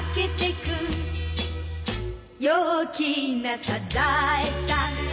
「陽気なサザエさん」